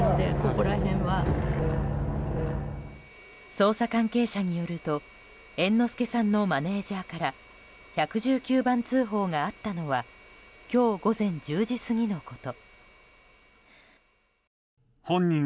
捜査関係者によると猿之助さんのマネジャーから１１９番通報があったのは今日午前１０時過ぎのこと。